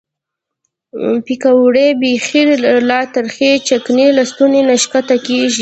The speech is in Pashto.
پیکورې بیخي له ترخې چکنۍ له ستوني نه ښکته کېږي.